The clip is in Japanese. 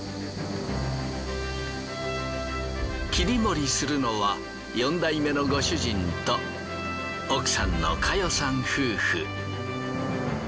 切り盛りするのは四代目のご主人と奥さんの佳代さん夫婦。